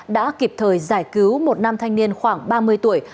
đã kịp thời giải cứu một nam thanh niên khoảng ba mươi tuổi